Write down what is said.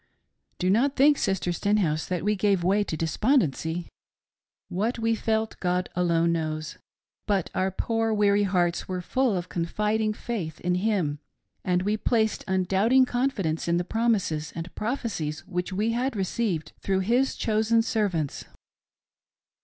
"Do not think, Sister Stenhouse, that we gave way to despondency. What we felt, God alone knows ; but our poor weary hearts were full of confiding faith in Him, and we placed undoubting confidence in the promises and prophecies which we had received through His chosen servants.